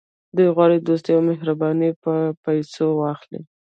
دوی غواړي دوستي او مهرباني په پیسو واخلي.